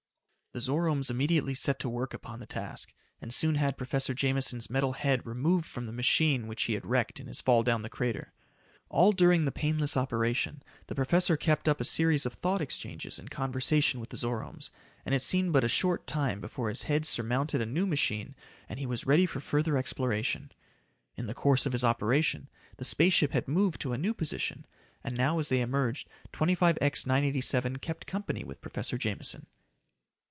The Zoromes immediately set to work upon the task, and soon had Professor Jameson's metal head removed from the machine which he had wrecked in his fall down the crater. All during the painless operation, the professor kept up a series of thought exchanges in conversation with the Zoromes, and it seemed but a short time before his head surmounted a new machine and he was ready for further exploration. In the course of his operation, the space ship had moved to a new position, and now as they emerged 25X 987 kept company with Professor Jameson.